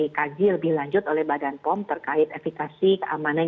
dikaji lebih lanjut oleh badan pom terkait efekasi keamanan